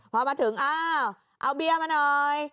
พอมาถึงอ้าวเอาเบียร์มาหน่อย